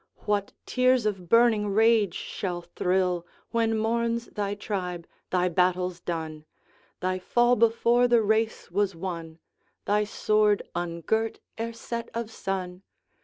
What tears of burning rage shall thrill, When mourns thy tribe thy battles done, Thy fall before the race was won, Thy sword ungirt ere set of sun!